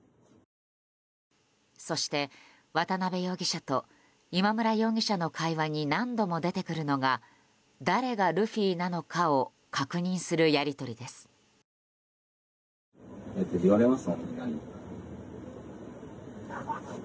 そして、渡邉容疑者と今村容疑者の会話に何度も出てくるのが誰がルフィなのかを確認するやり取りです。